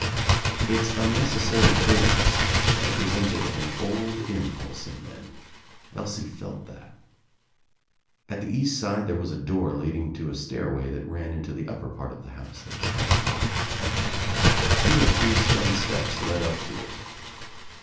Its unnecessary bigness represented an old impulse in men. Elsie felt that. At the east side there was a door leading to a stairway that ran into the upper part of the house that was kept locked. Two or three stone steps led up to it.